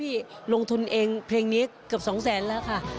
พี่ลงทุนเองเพลงนี้เกือบ๒๐๐๐๐๐บาทแล้วค่ะ